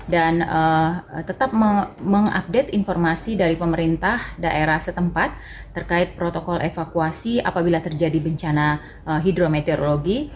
dan tetap mengupdate informasi dari pemerintah daerah setempat terkait protokol evakuasi apabila terjadi bencana hidrometeorologi